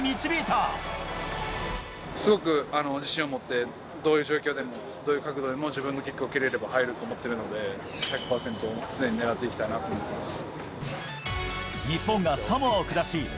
すごく自信を持って、どういう状況でもどういう角度でも自分のキックを蹴れれば入ると思ってるので、１００％を常にねらっていきたいなと思ってます。